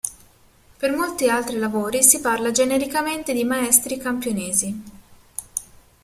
Per molti altri lavori si parla genericamente di maestri campionesi.